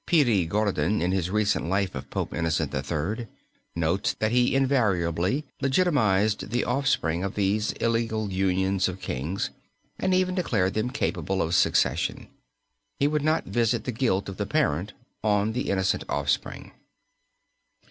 Pirie Gordon, in his recent life of Pope Innocent III., notes that he invariably legitimated the offspring of these illegal unions of kings, and even declared them capable of succession. He would not visit the guilt of the parent on the innocent offspring.